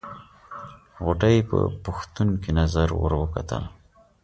غوټۍ په پوښتونکې نظر ور وکتل.